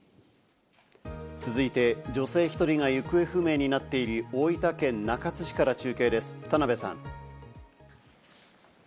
続いて、女性１人が行方不明になっている大分県中津市から中継です、田辺さん。